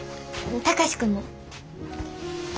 貴司君も。